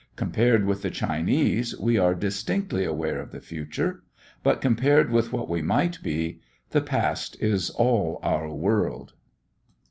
Compared with the Chinese we are distinctly aware of the future. But compared with what we might be, the past is all our world.